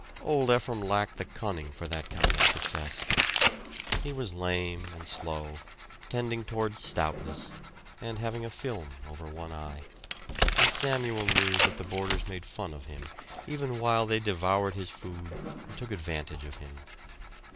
Old Ephraim lacked the cunning for that kind of success. He was lame and slow, tending toward stoutness, and having a film over one eye; and Samuel knew that the boarders made fun of him, even while they devoured his food and took advantage of him.